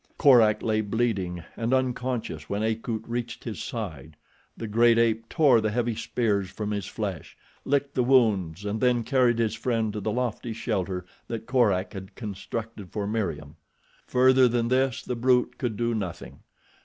Korak lay bleeding and unconscious when Akut reached his side. The great ape tore the heavy spears from his flesh, licked the wounds and then carried his friend to the lofty shelter that Korak had constructed for Meriem. Further than this the brute could do nothing.